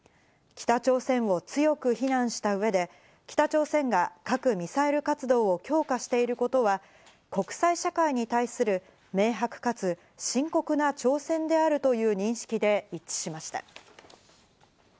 北朝鮮を強く非難した上で、北朝鮮が核ミサイル活動を強化していることは国際社会に対する明白かつ深刻な挑戦であるという認識で一致しました。